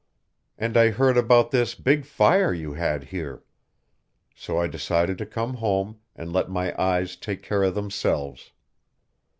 And I heard about this big fire you had here. So I decided to come home and let my eyes take care of themselves.